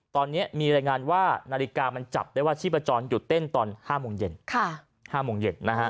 ตอนนี้มีรายงานว่านาฬิกามันจับได้ว่าชีพจรหยุดเต้นตอน๕โมงเย็น๕โมงเย็น